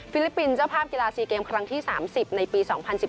ลิปปินส์เจ้าภาพกีฬา๔เกมครั้งที่๓๐ในปี๒๐๑๘